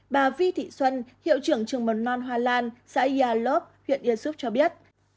bà vi thị xuân hiệu trưởng trường mầm non hoa lan xã yà lớp huyện easoc cho biết